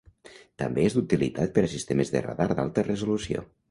També és d'utilitat per a sistemes de radar d'alta resolució.